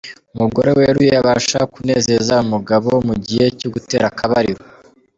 Umugore waruriye abasha kunezeza umugabo mu gihe cyo gutera akabariro.